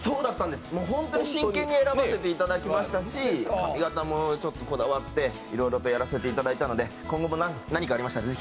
本当に真剣に選ばせていただいたし髪形もこだわっていろいろとやらせていただいたので今後も何かありましたら、ぜひ。